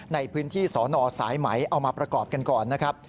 ในพื้นที่สนสายไหมเอามาประกอบกันก่อนนะครับ